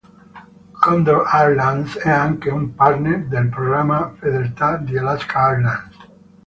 Condor Airlines è anche un partner del programma fedeltà di Alaska Airlines.